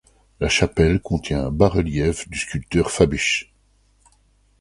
La chapelle contient un bas-relief du sculpteur Fabisch.